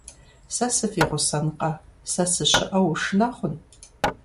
Сэ сывигъусэнкъэ, сэ сыщыӀэу ушынэ хъун?